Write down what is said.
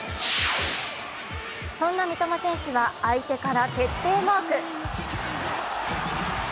そんな三笘選手は相手から徹底マーク。